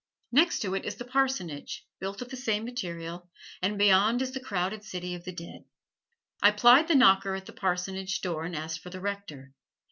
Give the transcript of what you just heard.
Next to it is the parsonage, built of the same material, and beyond is the crowded city of the dead. I plied the knocker at the parsonage door and asked for the rector.